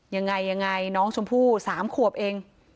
ยังไงยังไงน้องชมพู่๓ขวบเอง